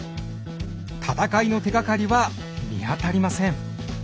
戦いの手がかりは見当たりません。